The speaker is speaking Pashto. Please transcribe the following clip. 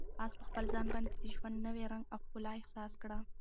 آس په خپل ځان باندې د ژوند نوی رنګ او ښکلا احساس کړه.